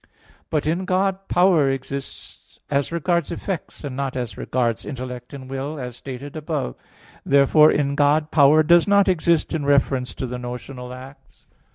But in God power exists as regards effects, and not as regards intellect and will, as stated above (Q. 25, A. 1). Therefore, in God power does not exist in reference to the notional acts.